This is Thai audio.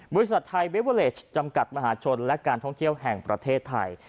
บริษัทไทยเบเวอเลสจำกัดมหาชนและการท่องเที่ยวแห่งประเทศไทย